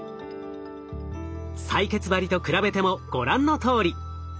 採血針と比べてもご覧のとおり。